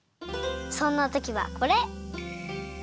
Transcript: そんなときはこれ！